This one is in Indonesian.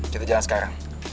kita jalan sekarang